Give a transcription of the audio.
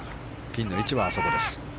ピンの位置はあそこです。